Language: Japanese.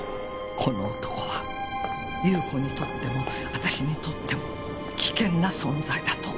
この男は優子にとっても私にとっても危険な存在だと思った。